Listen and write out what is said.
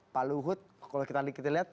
pak luhut kalau kita lihat